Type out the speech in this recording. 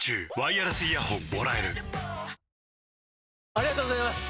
ありがとうございます！